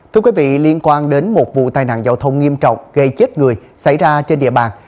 thưa quý vị liên quan đến một vụ tai nạn giao thông nghiêm trọng gây chết người xảy ra trên địa bàn